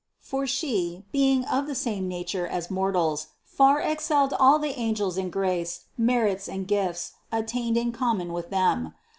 For She, being of the same nature as mor tals, far excelled all the angels in grace, merits and gifts attained in common with them.